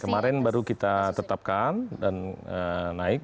kemarin baru kita tetapkan dan naik